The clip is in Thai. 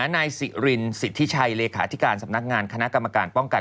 นายสิรินสิทธิชัยเลขาธิการสำนักงานคณะกรรมการป้องกัน